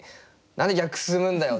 「何で逆進むんだよ！